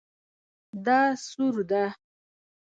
دا سور ده